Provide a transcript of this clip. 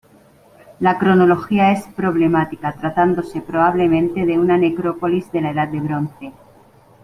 La cronología es problemática, tratándose probablemente de una necrópolis de la Edad del Bronce.